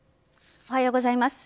おはようございます。